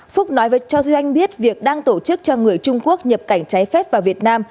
phúc nói với cho duy anh biết việc đang tổ chức cho người trung quốc nhập cảnh trái phép vào việt nam